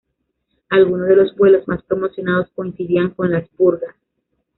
Algunos de los vuelos más promocionados coincidían con las purgas.